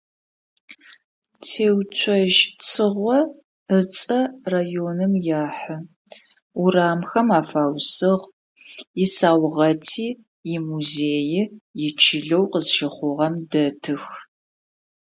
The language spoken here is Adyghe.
Теуцожь Цыгъо ыцӀэ районым ехьы, урамхэм афаусыгъ, исаугъэти, имузеий ичылэу къызщыхъугъэм дэтых.